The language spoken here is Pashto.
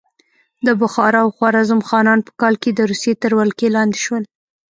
د بخارا او خوارزم خانان په کال کې د روسیې تر ولکې لاندې شول.